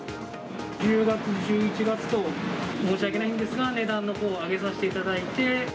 １０月、１１月と、申し訳ないんですが、値段のほうを上げさせていただいて。